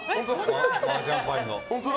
マージャン牌の。